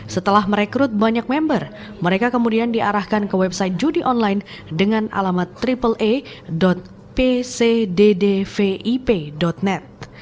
setelah merekrut banyak member mereka kemudian diarahkan ke website judi online dengan alamat pcddfip net